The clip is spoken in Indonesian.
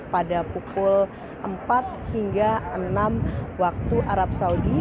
pada pukul empat hingga enam waktu arab saudi